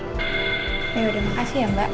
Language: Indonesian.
ya udah makasih ya mbak